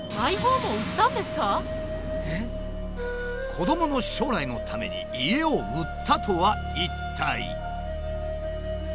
子どもの将来のために家を売ったとは一体。